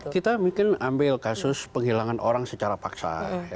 kita mungkin ambil kasus penghilangan orang secara paksa